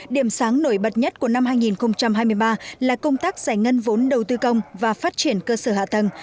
điểm sáng nổi bật nhất của năm hai nghìn hai mươi ba là công tác giải ngân vốn đầu tư công và phát triển cơ sở hạ tầng